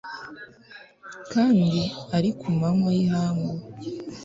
kandi ari ku manywa y'ihangu